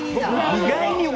意外に俺！？